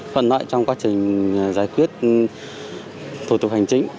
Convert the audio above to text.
phần nội trong quá trình giải quyết thủ tục hành chính